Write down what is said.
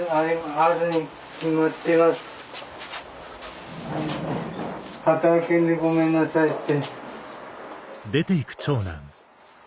働けんでごめんなさいって。